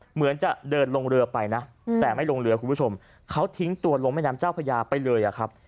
เหมือนจะเดินลงเรือไปนะแต่ไม่ลงเรือคุณผู้ชมเขาทิ้งตัวลงแม่น้ำเจ้าพญาไปเลยอะครับ